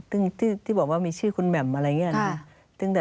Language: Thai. ซึ่งที่บอกว่ามีชื่อคุณแหม่มอะไรอย่างนี้นะ